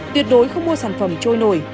tuyệt đối không mua sản phẩm trôi nổi